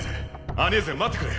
アニェーゼ待ってくれ。